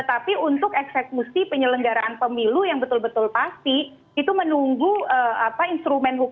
tetapi untuk eksekusi penyelenggaraan pemilu yang betul betul pasti itu menunggu apa instrumen hukumnya